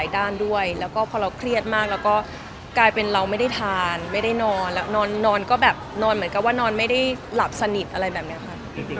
ด้านด้วยแล้วก็พอเราเครียดมากแล้วก็กลายเป็นเราไม่ได้ทานไม่ได้นอนแล้วนอนก็แบบนอนเหมือนกับว่านอนไม่ได้หลับสนิทอะไรแบบนี้ค่ะ